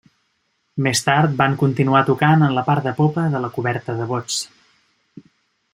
Més tard van continuar tocant en la part de popa de la coberta de bots.